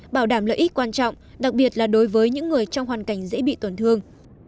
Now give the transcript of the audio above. bảo đảm lợi ích quan trọng đặc biệt là đối với những người trong hoàn cảnh dễ bị tổn thương